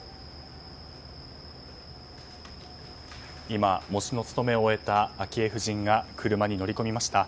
今、喪主の務めを終えた昭恵夫人が車に乗り込みました。